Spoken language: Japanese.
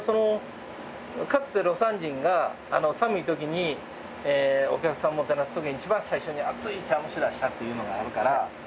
かつて魯山人が寒いときにお客さんをもてなすときにいちばん最初に熱い茶碗蒸しを出したっていうのがあるから。